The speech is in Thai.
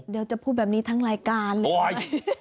เดี๋ยวจะพูดแบบนี้ทั้งรายการเลย